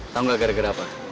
tau gak gara gara apa